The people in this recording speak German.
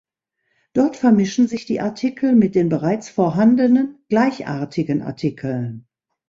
Dort vermischen sich die Artikel mit den bereits vorhandenen gleichartigen Artikeln.